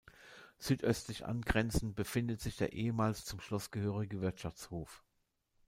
Südöstlich angrenzend befindet sich der ehemals zum Schloss gehörige Wirtschaftshof.